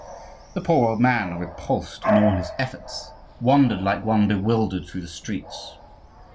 The poor old man, repulsed in all his efforts, wandered like one bewildered through the streets.